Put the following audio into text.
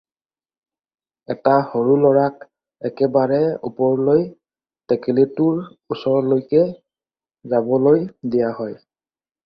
এটা সৰু লৰাক একেবাৰে ওপৰলৈ টেকেলিটোৰ ওচৰলৈকে যাবলৈ দিয়া হয়।